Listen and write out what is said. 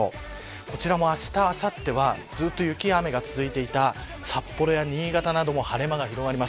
こちらも、あした、あさっては雪や雨が続いていた札幌や新潟なども晴れ間が広がります。